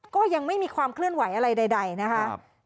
ก็ยังไม่มีความเคลื่อนไหวอะไรใดนะคะ